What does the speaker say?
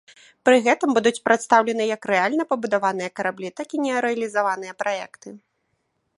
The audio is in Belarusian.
Пры гэтым будуць прадстаўлены як рэальна пабудаваныя караблі, так і нерэалізаваныя праекты.